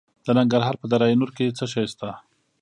د ننګرهار په دره نور کې څه شی شته؟